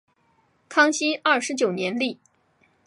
康熙二十九年立。